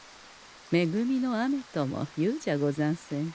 めぐみの雨ともいうじゃござんせんか。